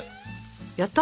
やった？